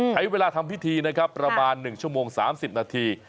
ใช้เวลาทำพิธีนะครับประมาณ๑ชั่วโมง๓๐นาที